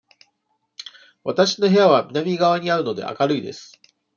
わたしの部屋は南側にあるので、明るいです。